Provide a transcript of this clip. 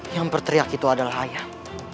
yang berteriak itu adalah ayah